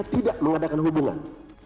tidak mengadakan hubungan